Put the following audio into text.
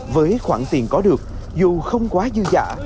với khoản tiền có được dù không quá dư giả